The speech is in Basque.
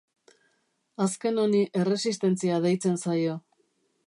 Azken honi erresistentzia deitzen zaio.